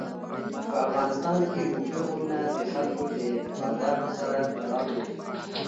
په افغانستان کې اوږده غرونه د خلکو د اعتقاداتو سره تړاو لري.